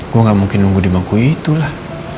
gue gak mungkin nunggu di maku itu lah